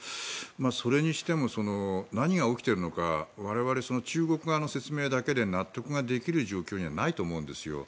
それにしても何が起きているのか我々、中国側の説明だけで納得ができる状況にはないと思うんですよ。